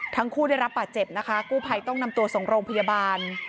ทั้งคู่ได้รับบาดเจ็บนะคะกู้ภัยต้องนำตัวส่งโรงพยาบาล